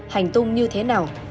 hành tung như thế nào